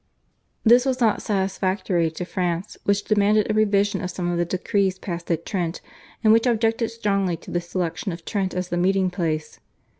This was not satisfactory to France, which demanded a revision of some of the decrees passed at Trent, and which objected strongly to the selection of Trent as the meeting place.